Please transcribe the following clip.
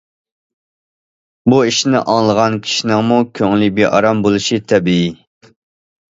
بۇ ئىشنى ئاڭلىغان كىشىنىڭمۇ كۆڭلى بىئارام بولۇشى تەبىئىي.